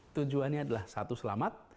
tujuannya adalah satu selamat